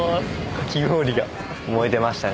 かき氷が燃えてましたね。